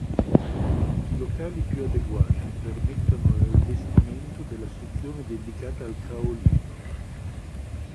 I locali più adeguati permettono l'allestimento della sezione dedicata al caolino.